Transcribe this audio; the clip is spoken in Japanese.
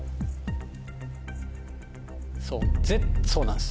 そうそうなんです。